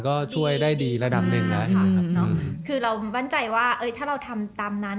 ก็ช่วยได้ดีระดับหนึ่งแล้วค่ะเนอะคือเรามั่นใจว่าเอ้ยถ้าเราทำตามนั้น